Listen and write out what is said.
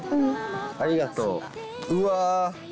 ありがとう。うわ！